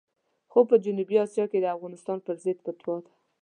خو په جنوبي اسیا کې د افغانستان پرضد فتوا ده.